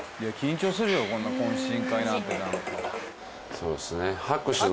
そうですね